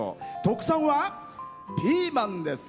特産はピーマンです。